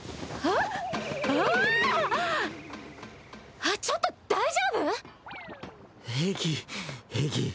あっちょっと大丈夫⁉平気平気。